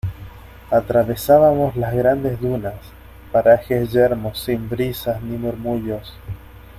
atravesábamos las grandes dunas, parajes yermos sin brisas ni murmullos.